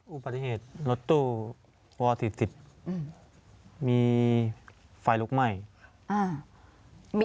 อุบัติเหตุรถตู้วอร์๔๐มีไฟลุกไหม้